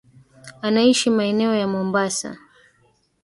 Anaishi maeneo ya mombasa